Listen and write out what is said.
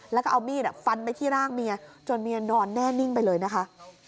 แล้วก็เอามีดฟันไปที่ร่างเมียจนเมียนอนแน่นิ่งไปเลยนะคะ